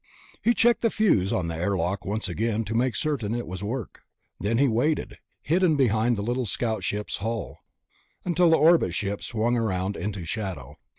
He checked the fuse on the airlock once again to make certain it would work. Then he waited, hidden behind the little scout ship's hull, until the orbit ship swung around into shadow.